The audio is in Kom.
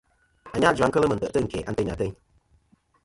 Anyajua kel mɨ tè'tɨ ɨn kæ anteynɨ ateyn.